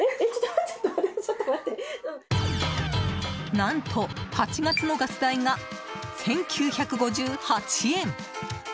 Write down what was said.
何と、８月のガス代が１９５８円！